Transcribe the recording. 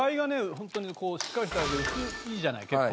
ホントにしっかりした味でいいじゃない結構。